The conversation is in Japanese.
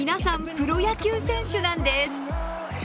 プロ野球選手なんです。